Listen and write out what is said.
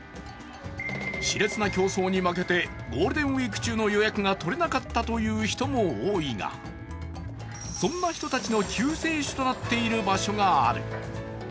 しれつな競争に負けてゴールデンウイーク中の予約が取れなかったという人も多いが、そんな人たちの救世主となっている場所がある。